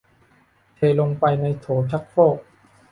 เทลงไปในโถชักโครก